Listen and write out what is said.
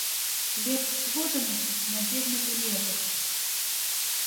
Лепш плоданасіць на бедных глебах.